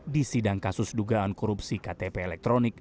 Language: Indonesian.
di sidang kasus dugaan korupsi ktp elektronik